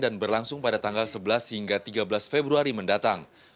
dan berlangsung pada tanggal sebelas hingga tiga belas februari mendatang